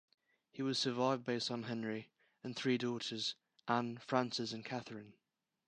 He was survived by his son, Henry, and three daughters, Anne, Frances and Katherine.